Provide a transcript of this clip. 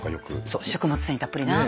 そう食物繊維たっぷりな。